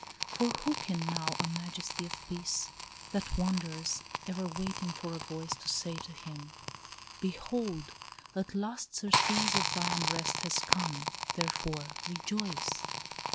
For who can know a majesty of peace, That wanders, ever waiting for a voice To say to him, "Behold, at last surcease Of thy unrest has come, therefore, rejoice"?